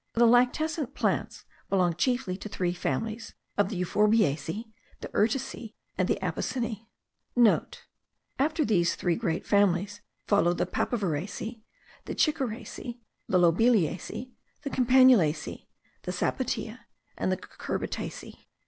The lactescent plants belong chiefly to the three families of the euphorbiaceae, the urticeae, and the apocineae.* (* After these three great families follow the papaveraceae, the chicoraceae, the lobeliaceae, the campanulaceae, the sapoteae, and the cucurbitaceae.